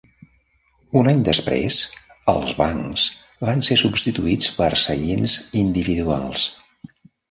Un any després, els bancs van ser substituïts per seients individuals.